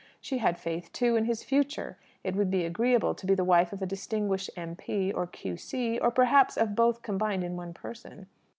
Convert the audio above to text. She had faith, too, in his future. It would be agreeable to be the wife of a distinguished M.P. or Q.C., or perhaps of both combined in one person.